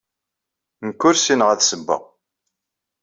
Nekk ur ssineɣ ad ssewweɣ.